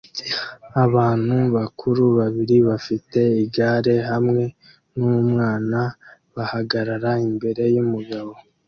Abantu bakuru babiri bafite igare hamwe numwana bahagarara imbere yumugabo